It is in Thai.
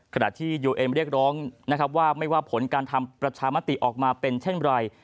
ขณะที่ยูเอ็มเรียกร้องนะครับว่าไม่ว่าผลการทำประชามติออกมาเป็นเช่นไร